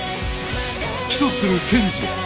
起訴する検事